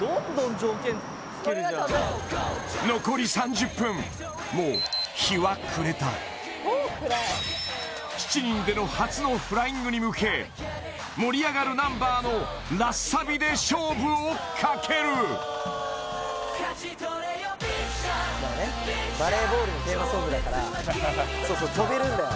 残り３０分もう日は暮れた７人での初のフライングに向け盛り上がるナンバーのラスサビで勝負をかけるバレーボールのテーマソングだから飛べるんだよ